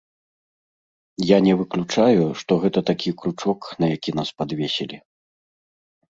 Я не выключаю, што гэта такі кручок, на які нас падвесілі.